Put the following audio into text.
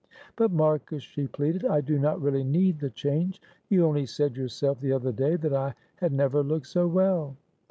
"But, Marcus," she pleaded, "I do not really need the change; you only said yourself the other day that I had never looked so well."